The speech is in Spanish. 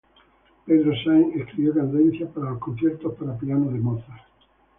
Pedro Sáenz escribió cadencias para los conciertos para piano de Mozart.